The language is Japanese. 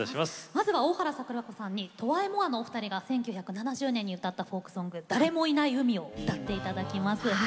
まずは大原櫻子さんにトワ・エ・モワのお二人が１９７０年に歌ったフォークソング「誰もいない海」を歌っていただきます。